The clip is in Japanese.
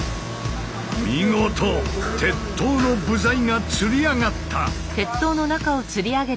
見事鉄塔の部材がつり上がった。